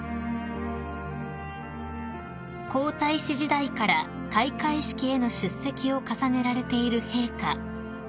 ［皇太子時代から開会式への出席を重ねられている陛下］